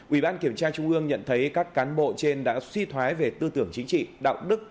ủy ban kiểm tra trung ương nhận thấy các cán bộ trên đã suy thoái về tư tưởng chính trị đạo đức